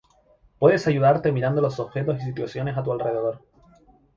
puedes ayudarte mirando los objetos y situaciones a tu alrededor